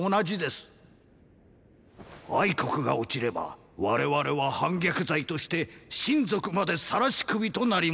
国が落ちれば我々は反逆罪として親族までさらし首となりまする。